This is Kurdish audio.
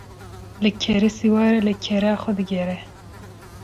Li kerê siwar e li kera xwe digere